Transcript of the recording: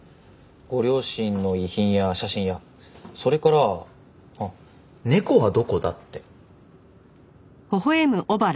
ご両親の遺品や写真やそれから「猫はどこだ」って。